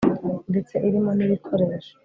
ndetse irimo nibikoresho